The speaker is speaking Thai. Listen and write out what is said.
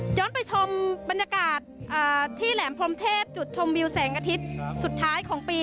ไปชมบรรยากาศที่แหลมพรมเทพจุดชมวิวแสงอาทิตย์สุดท้ายของปี